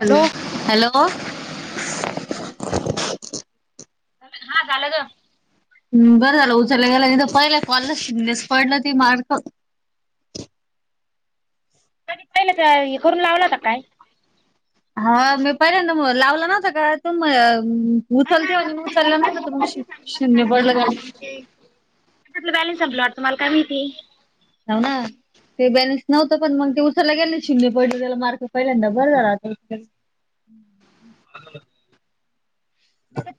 Hello hello. हा झालं ग. बरं झालं उचलल्या गेला तर पहिले कॉल ला शून्यच पडलं ते मार्क. आणि पहिलं का हे करून लावला का काय? हा मी पहिल्यांद, मग लावलं नव्हतं का तु उचलते म्हण, उचललं ना शून्य पडलं ग. त्यातला बॅलन्स संपला, मला काय माहिती. होव ना ते बॅलेन्स नव्हत पण मग ते उचरला गेले शून्य पडले त्याला मार्क पहिल्यांदा बर झालं. [unintelligible] हम्म. ह.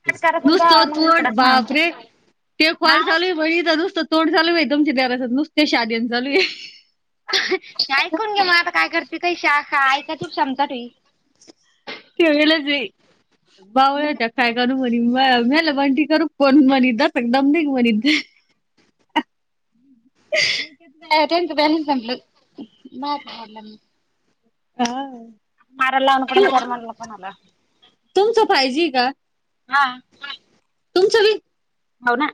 कट करत होता नुसतं मग नाही तोंड पडत ना बापरे ते क्वाल हा झाल [unintelligible] नुसतं तोंड चालू आहे बाई तुमच्या घराचात नुसते शादीन चालू आहे. ऐकून घे मग आता काय करते काही शाखा ऐकायची क्षमता. [unintelligible] बावळट काय करू मरी म मला बणटी करू [unintelligible] अ [inaudible] त्येच बॅलन्स संपलं हा. मारा लावू नका विचार म्हनल कुणाला तुमचं पाहिजे का? हा. तुमचं वि हो ना.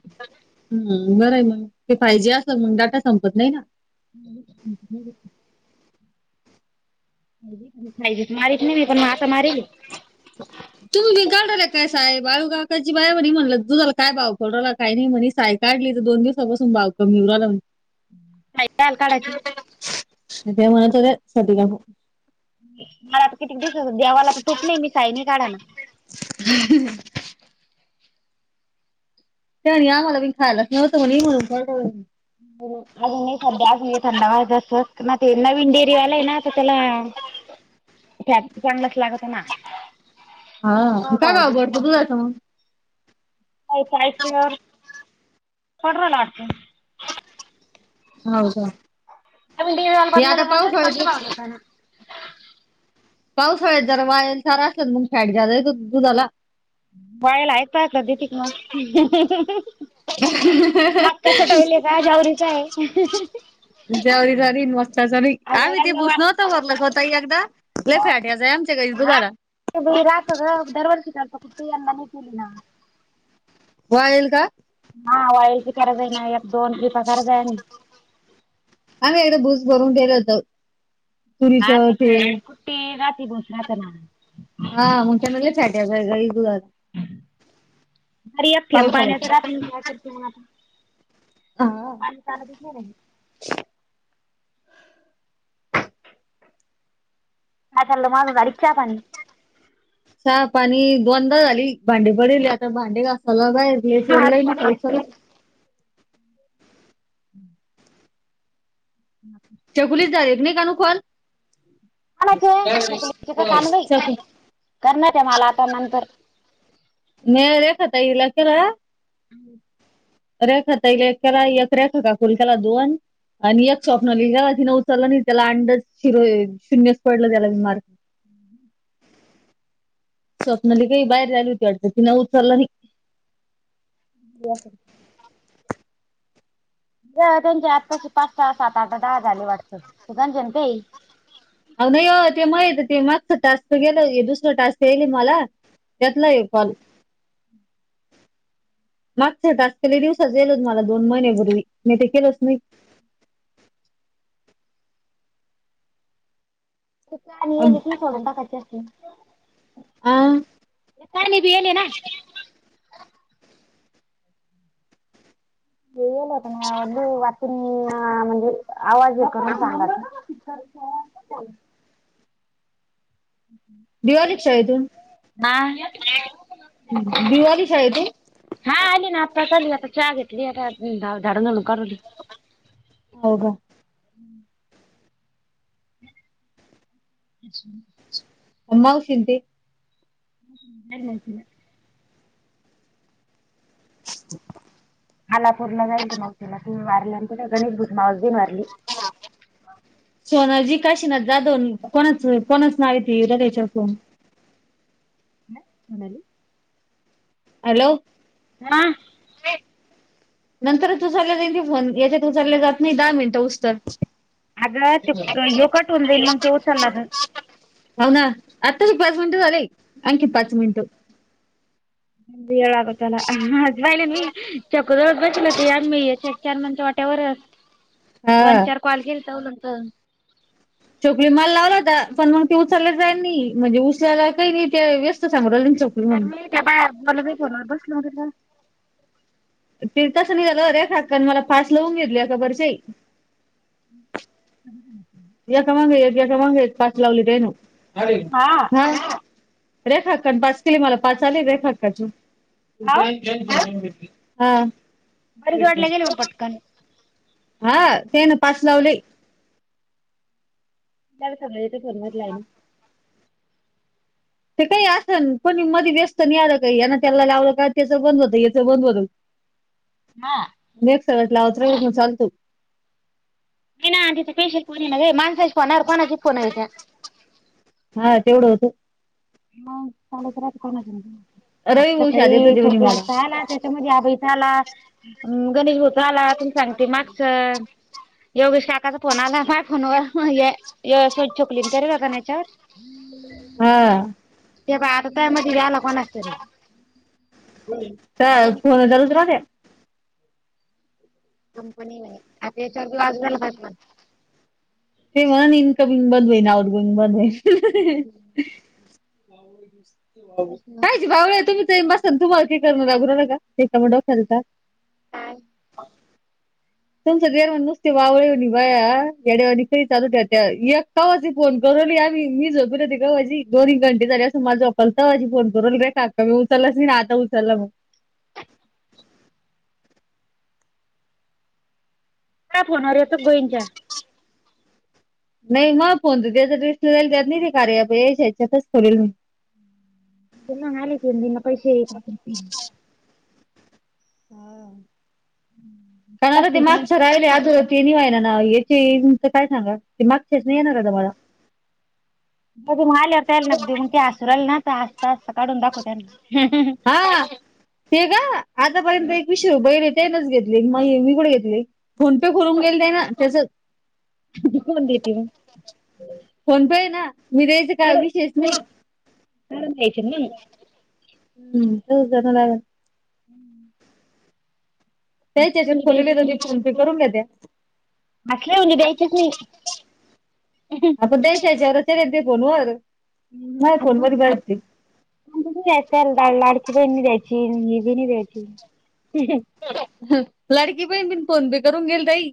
हम् बरं आहे मग, ते फाय जी अस मग डाटा संपत नाही ना. ह फाय जी च मारत नाही मी. पण आता मारीली. ह तुम्ही बिघा राय काय साहेब बाळूकाकाची बाय म्ह म्हलं तुझाला [unintelligible] काय नाही म्हणे साय. काढली तर दोन दिवसापासून भाव कमी उराला. सायकल काढायची ते म्हणत होते [unintelligible] मला आता किती दिवस झालं, देवाला तर तूप नाही मी साईनी काढाला. ह त्यानी आम्हाला बी खायलाच नव्हतं म्हणे, म्हणून खरडवल. अजून नाही सध्या अजून थंड व्हाय असत ना ते ना नवीन डेअरीवाला आहे ना, आता त्याला त्यात चांगलंच लागत ना. हा काय भाव गाव दिला. भर कुठं जायचं मंग? ऐकायचं [unintelligible] हो का. हे आता पावसाळ्यात [unintelligible] पावसाळ्यात जरा वाळेल चारा असत ना मग फॅट जादा येत दुधाला. बायला आहेत काय का दीपिक ना. मकाच्या टोयलेचा जवररीचा आहे जवरी झारी मस्त झारी का अगं मी ते यंदा वा बूसतो.. रलं होता एकदा लेफाट याच आहे आमच्या काही तुझारा. राखग दरवार्ज काता कुठी आणि केली ना. [unintelligible] वालेलं का हा वाईलची करज आहे ना एक दोन लिप गरज आहे आणि. आम्ही एकदा भूस भरून गेलं होत सुरीच ते. ते राती बस राहता ना. हा मुख्याम फचाट्या घर अखेम पाण्याच पावसाळ्यात राख. हा [unintelligible] काचाल्ल मा अडीचा पणी. साप आणि द्ंद झाली भांडे पडेले आता भांडे घासायला बाहेरले चोरलाय ना. हा. हो. ह [inaudible] त्यागुलीस दार एक नाही कानूकन.. ोकल्याचे का कानई चकू करणार आहे मला आता नंतर. [unintelligible] हम् [unintelligible] आणि एक स्वॉपन लि तिं उचललं नाही त्याला अंडच शिर शून्यस पडलं त्याला मी मार्के. स्वप्नाली काही बाहेर राली होती तिन उचलला नाही. ब त्यांचे आज कशी पाच सहा सात आठ दहा झाले वाटत त त्यांच्या ते अ नाही हो ते माहित ते मागच टास्क गेलं दुसर टास्क येल मला. त्यातला येकॉल मागजले दिवसच येईलोत मला दोन महिन्यापूर्वी म ते केलंच नाही अम, काणीले की सोण टकाचे असतील आ, ख बीले ना येल होता म व वाचन म्हणजे आवाज येतो सांग [inaudible] देव आली का शाळेतून. हा हा आली ना आत्ता चाली आता चहा घेतली आता झाड जोडून राहिली हो का. अ. मावशी न ते. [inaudible] [inaudible] हालापूरला जाईलच मगतीला तुम्ही मारल्यानंत गणेश भूज मावजन मारली. सोनजी काशीनाथ जाधव दवन कोणाच कोणाच नाव ताच्याून. ह म्हणाली हॅलो. हा. का. नंतरच तू चाला जाईनी फोन याच्यात चालले जात नाही दहा मिनिटं उस्तर. अगं यो काटऊून जाईन मग तेव चालला. हो ना आत्ताची पाच मिनिटं झाले आणखी पाच मिनिटं वेळ लागतलाहिला मी चक जवळ बसल ते म याच्या चार म्हण वाटेवर दोन हा चार कॉल गेल तरलत चोकली माल लावला होता पण मग ते उचचालेला जाई नाही म्हणजे उचलाला काही नाही ते व्यस्त सांग च तर मी ते बा बला ब बसल तुला फिर तसं नि झालं अरे खाकन मला पास लावून घेतली खबरच्याई [inaudible] या का मागा एक या का मागा पास लावली तेन हा रेखा हक्कान पाच किली मला पाच आली रेखाक्काची हाव हा बरीच वाडला गेली मग पटकन हा ते ना पास लावले त्याला सगळेथ फरमजलंय ना ते काही असन कोणी मध्ये व्यस्त नाही आलं काही याना त्याला लावलं का त्याच बंद होत याच बंद होत [inaudible] ह नक् सटलावत चालतो नाही ना त फेशिल कोन ना म माणसाईज कोणार कोणाच हा तेवढं होत हा चालतणा रवी आता भाऊ शाद येत काही होते म्हणे चोकरी मला चाल च्या म आभैताला गणेश भोत्र आला त सांगते मागस एवगे काकाचा फोन आला बाय फोनवर स्वछोकली कर ब काच्यावर हा ते प आता त्या मध्ये व्या ला पण असत रे च फोन चालूच रा कंपनी म्हच्याज ते म्हण इनकमिंग बंद होईल आउट गोईंग बंद होईल का बावळ तुम्ही ते म स तु माकी करण लागर न का एमड खेळतात तुमचं गर म्हण नुसते वावळी हो वया याडवा चालू त्या कावाी फोन करूनली या मी मी झोपल होती गवाजी दोन्ही घटे झाले असं माझं पलताजी फोन करून बे कााका मी उचालच नाही ना आता उचालला मग का फोनवर येत गोईंच्या नाही मग फोनत त्याच र जाल त्यात नाही ते कार यायच्या याच्यातच ठल जाल तेन पैसे येत ह कारणला ते आहे मागछ राहिले आजून आहे ना ना याची काय सांगा मागच्याच नाही येणार काता मला मधून आलेवरता नगदी मग ते अससुराल ना तर आता असस्ता काढून दाखव त्याना हा ते का आतापर्यंत एक विषरू बहिणी तेनच घेतली मगिकड घेतली फोन पे करून गेल नाही ना त्यासं त कोण दती म फोन पे आहे ना मी द्यायचं काय विशेष नाही आराम जा्यायच ना हम् त जण लागल हम्म त्या द्यायचीच त्याच्यातथरी फोन पे करून घ्या त्या असल्या उ द्यायचीच नाही देश याच्या रचेत फोन व नाही फोन व बायते द्यायच लाडकी ब द्यायची मी बी द्यायची लाडकी प बीन फोन ब करून गेल ताई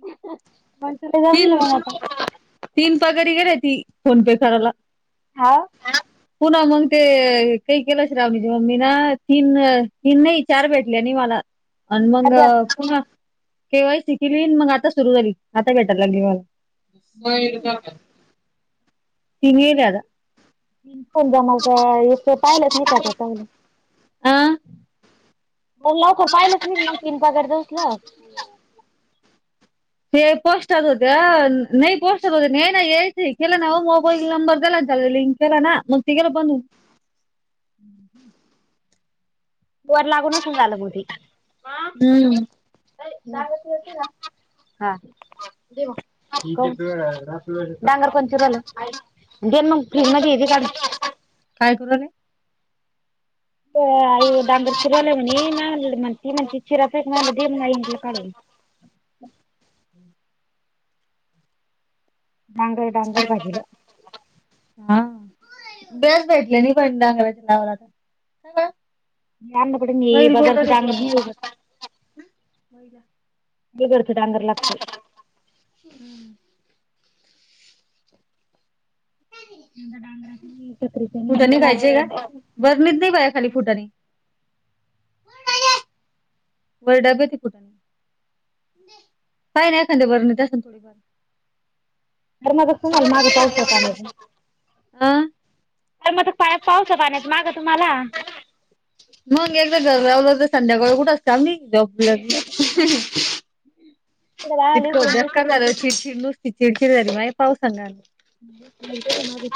मग तुला जमेल तीन मग आता. तीन पगारी गेले ती फोनपे करायला हा हा पुन्हा मग ते काही केलं णीची मम्मी ना तीन तीन नाही चार भेटले आणि मला आणि मग अर्ध्या पुन्हा केव्हासी केली मग आता सुरू झाली आता भेटायला लागे मला [unintelligible] को जा मग इथ पाहिलंच नाही काताला आ मग लवकर पाहिलंच म मग किनपा करतासलं हे पोस्टात होते नाही पोस्टात होते नाही नाही यायचं केलं ना मोबाईल नंबर दिला चाल लिंक त्याला मग ते गेला बद होऊन हम् ह वर लागूनच झालं मी हम्म हा नागर कोणती चिरलं तेल मग फ्रीज मध्ये येते काढून काय करल आहे आई डांगर चिरवल्या म्हणे नाही म्हण त म्हण त चिराचा मा आईला काढून हम्म डांगर डागर भाजीला हा बस भेटले नाही पण डागराच्या नावाला का न पड मी बदारस डांंगर उगत होला ब बडत डांंगर लागतो हम्म डांगराच चकरीचच बरलीत नाही बाया खाली फुटाने वर डब्यात ए फुटाणे पाय नाही एखांद्या बर नाहीतर असतीन थोडेफार माझा फोन आला मागं पावसा पाण्याच अ तर मग ते पायात पावसा पाण्याचं मागं तुम्हाला मग एकदा घर लावलं तर संध्याकाळ कुठं असते. आले इतकं उकडून बेक्कार दिसत आहे झालं चिडचिड नुसती चिडचिड झाली माझी पावसानं आणि मागं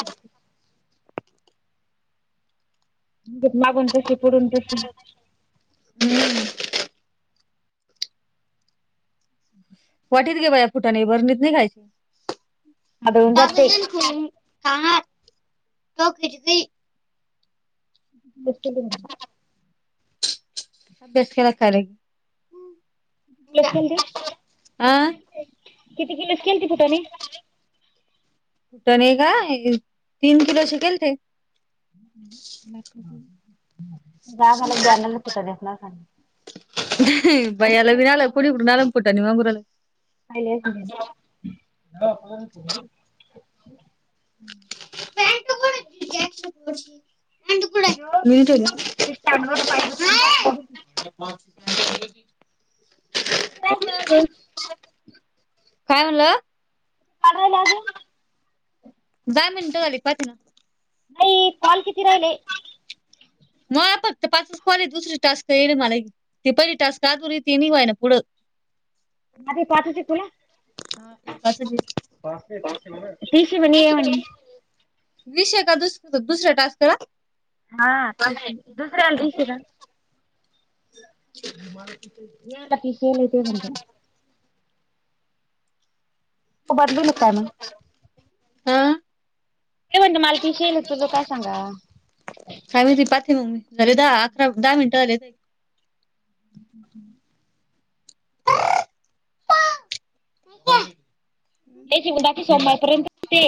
मागून तशी पुढून तशी हम्म वाटीत घे भया फुटाने बरणीत नाही खायचे आदळून पार्ले जाते दे ना फोडून का तो खिडकी [unintelligible] अभ्यास केला का रे खेलते आ किती केलेस केलते फुटाणे फुटाणे तीन किलोचे केल ते [unintelligible] ही ही भैय्याला लावीण आला कुणीकडून आला न फुटाणे मागून राहिला [unintelligible] [unintelligible] मी ठेवलं जोत स्टँडमध्ये पाय बसला [unintelligible] [unintelligible] काय म्हणला [unintelligible] लागून दहा मिनटं झाले. पाच ना नाही कॉल किती राहिले. मला फक्त पाचच कॉल हायत दुसरी टास्क येईना मला ते पहिली टास्क आधुरी ती नि व्हाय ना पुढ [inaudible] माझे पाचचे तुला. एक असंच आहे. टीशी बनी आहे म्हणे विषय का दस दुसऱ्या टास्कला हा ठीके दुसर्याला तिशे का [unintelligible] ते नाही ते म्हंटला त बदलु [unintelligible] हा ते म्हणत मला तिशेईल तुला काय सांगा काय [unintelligible] ममी झाले दहा अकरा दहा मिनिटं झाले येतंय हम् हम् हम् देची म बाकी सोमवारपर्यंतच्चे